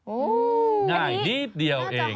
ง่ายนิดเดียวเอง